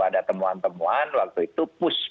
ada temuan temuan waktu itu pus